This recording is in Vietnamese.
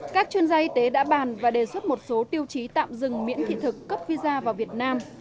các chuyên gia y tế đã bàn và đề xuất một số tiêu chí tạm dừng miễn thị thực cấp visa vào việt nam